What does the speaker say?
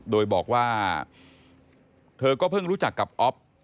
โดยบอกว่าเธอก็เพิ่งรู้จักกับอ๊อฟ